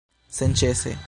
Senĉese!